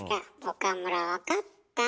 岡村分かった？